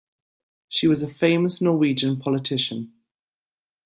She was a famous Norwegian politician.